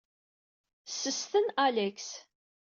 Sesten Alex.